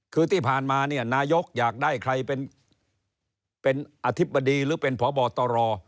คือที่ผ่านมาเนี่ยนายกอยากได้ใครเป็นอธิบดีหรือเป็นพบตร